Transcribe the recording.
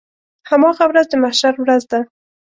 هماغه ورځ د محشر ورځ ده.